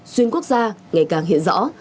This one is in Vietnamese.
xuyên quốc gia ngày càng hiện rõ